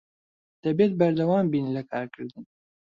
دەبێت بەردەوام بین لە کارکردن.